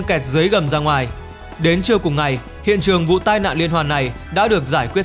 kẹt dưới gầm ra ngoài đến trưa cùng ngày hiện trường vụ tai nạn liên hoàn này đã được giải quyết